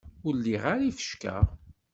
Ur liɣ ara ifecka.